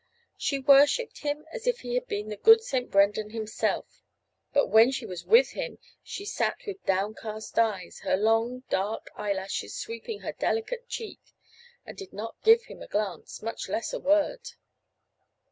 She worshiped him as if he had been the good St. Brendan himself, but when she was with him she sat with downcast eyes, her long dark eyelashes sweeping her delicate cheek, and did not give him a glance, much less a word.